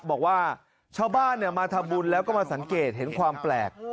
บอกว่าชาวบ้านมาทำบุญแล้วก็มาสังเกตเห็นความแปลก